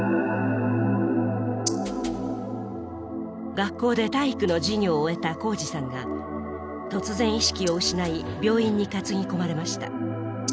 学校で体育の授業を終えた宏司さんが突然意識を失い病院に担ぎ込まれました。